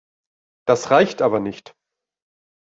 Das reicht aber nicht.